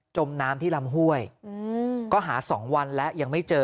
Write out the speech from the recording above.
มน้ำที่ลำห้วยก็หา๒วันแล้วยังไม่เจอ